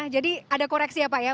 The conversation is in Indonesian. jadi ada koreksi ya pak ya